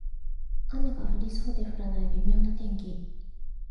雨が降りそうで降らない微妙な天気